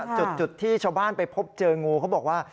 จุดที่ชาวบ้านไปพบเจองูเขาบอกว่า